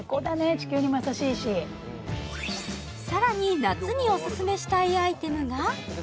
地球にも優しいしさらに夏にオススメしたいアイテムが？